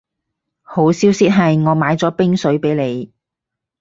好消息係我買咗冰水畀你